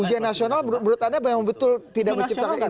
ujian nasional menurut anda memang betul tidak menciptakan kasus